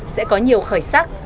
sẽ có nhiều khởi sắc